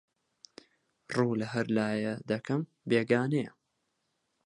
ڕوو لەهەر لایێ دەکەم بێگانەیە